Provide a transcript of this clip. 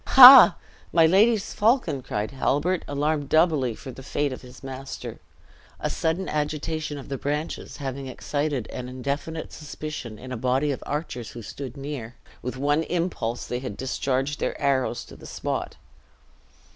"Hah! my lady's falcon!" cried Halbert alarmed, doubly, for the fate of his master. A sudden agitation of the branches having excited an indefinite suspicion in a body of archers who stood near, with one impulse they had discharged their arrows to the spot.